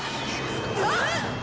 あっ！？